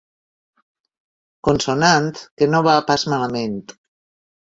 Consonant que no va pas malament.